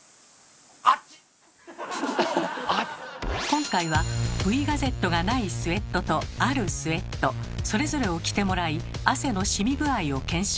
今回はＶガゼットがないスウェットとあるスウェットそれぞれを着てもらい汗の染み具合を検証。